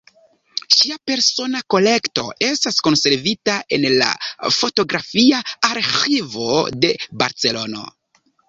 Ŝia persona kolekto estas konservita en la Fotografia Arĥivo de Barcelono.